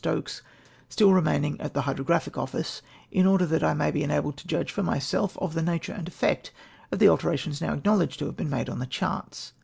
Stokes still remaining at the Hydro graphic Office, in order that I may be enabled to judge for myself of the nature and effect of the alterations now acknowledged to have been made on the charts.